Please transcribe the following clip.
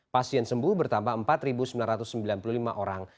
pasien sembuh bertambah empat sembilan ratus sembilan puluh lima orang